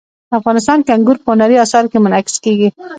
افغانستان کې انګور په هنري اثارو کې منعکس کېږي.